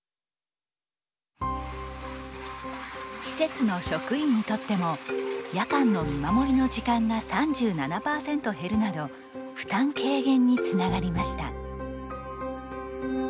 施設の職員にとっても夜間の見守りの時間が３７％減るなど負担軽減につながりました。